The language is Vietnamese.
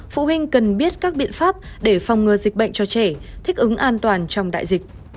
phụ huynh cần biết các biện pháp để phòng ngừa dịch bệnh cho trẻ thích ứng an toàn trong đại dịch